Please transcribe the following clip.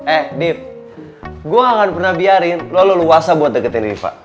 eh div gua gak akan pernah biarin lu lulu wasa buat deketin rifa